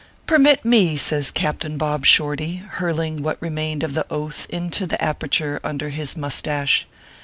"Permit me" says Captain Bob Shorty, hurling what remained of the Oath into the aperture under his moustache.